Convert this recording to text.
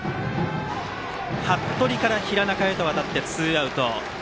八鳥から平中に渡ってツーアウト。